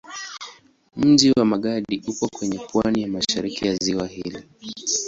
Mji wa Magadi upo kwenye pwani ya mashariki ya ziwa hili.